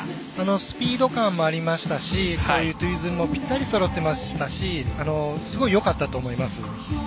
スピード感もありましたしツイズルもぴったりそろってましたしすごいよかったと思います。